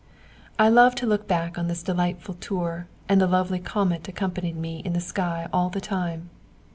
] I love to look back on this delightful tour; and the lovely comet accompanied me in the sky all the time.